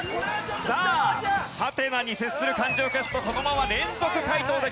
さあハテナに接する漢字を消すとそのまま連続解答できます。